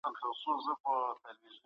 سبا به د سولي په اړه مهمه غونډه جوړيږي.